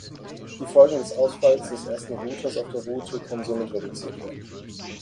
Die Folgen des Ausfalls des ersten Routers auf der Route können somit reduziert werden.